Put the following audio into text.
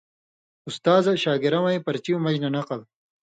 اُستازہ شاگڑہ وَیں پرچیُوں مژ نہ نقل